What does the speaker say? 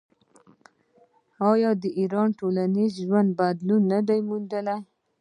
آیا د ایران ټولنیز ژوند بدلون نه دی موندلی؟